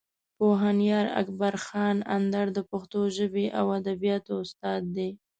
پوهنیار اکبر خان اندړ د پښتو ژبې او ادبیاتو استاد دی.